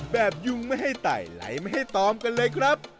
ยุงไม่ให้ไต่ไหลไม่ให้ตอมกันเลยครับ